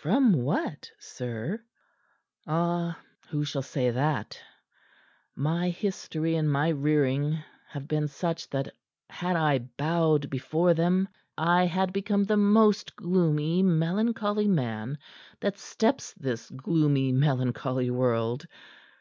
"From what, sir?" "Ah who shall say that? My history and my rearing have been such that had I bowed before them, I had become the most gloomy, melancholy man that steps this gloomy, melancholy world.